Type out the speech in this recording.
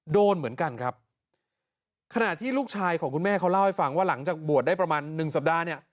โดนเหมือนกันครับขณะที่ลูกชายของคุณแม่เขาเล่าให้ฟังว่าหลังจากบวชได้ประมาณหนึ่งสัปดาห์เนี่ย